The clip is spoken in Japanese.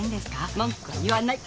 文句は言わない。